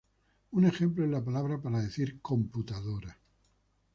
Un ejemplo es la palabra para decir "computadora".